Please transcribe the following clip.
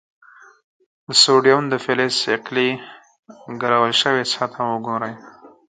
د سوډیم د فلز صیقلي ګرول شوې سطحه وګورئ.